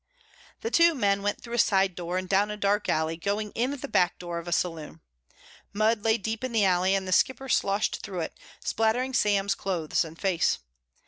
The two men went through a side door and down a dark alley, going in at the back door of a saloon. Mud lay deep in the alley and The Skipper sloshed through it, splattering Sam's clothes and face.